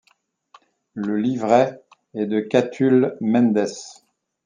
Le livret est de Catulle Mendès.